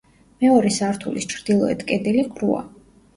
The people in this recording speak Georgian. მეორე სართულის ჩრდილოეთ კედელი ყრუა.